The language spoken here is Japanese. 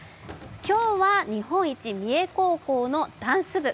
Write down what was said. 今日は日本一、三重高校のダンス部。